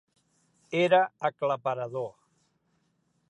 Era aclaparador.